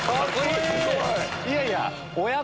いやいや！